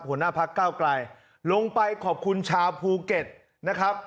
หัวหน้าพักเก้าไกลลงไปขอบคุณชาวภูเก็ตนะครับ